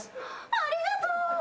ありがとう！